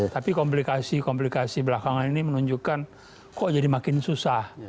tapi komplikasi komplikasi belakangan ini menunjukkan kok jadi makin susah